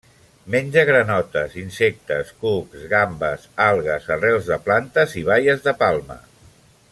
Menja granotes, insectes, cucs, gambes, algues, arrels de plantes i baies de palma.